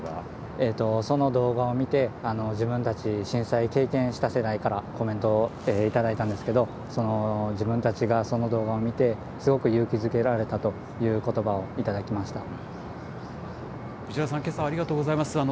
その動画を見て、自分たち、震災を経験した世代からコメントを頂いたんですけれども、自分たちがその動画を見て、すごく勇気づけられたということばを頂きま藤原さん、けさ、ありがとうございます。